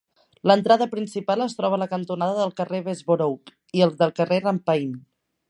L'entrada principal es troba a la cantonada del carrer Bessborough i del carrer Rampayne.